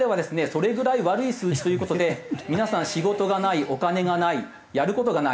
それぐらい悪い数字という事で皆さん仕事がないお金がないやる事がない。